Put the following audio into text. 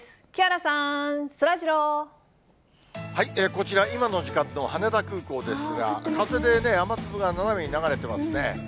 こちら、今の時間の羽田空港ですが、風で雨粒が斜めに流れてますね。